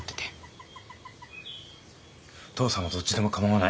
父さんはどっちでも構わない。